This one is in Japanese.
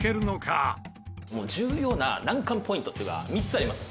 「重要な難関ポイントっていうのが３つあります」